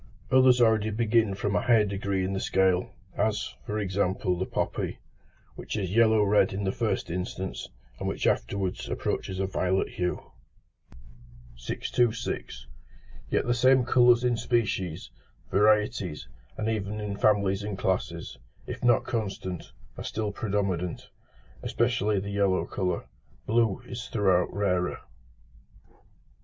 Others already begin from a higher degree in the scale, as, for example, the poppy, which is yellow red in the first instance, and which afterwards approaches a violet hue. 626. Yet the same colours in species, varieties, and even in families and classes, if not constant, are still predominant, especially the yellow colour: blue is throughout rarer.